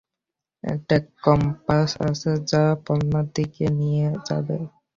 একটা কম্পাস আছে যা পান্নার দিকে নিয়ে যাবে।